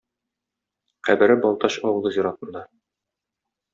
Кабере Балтач авылы зиратында.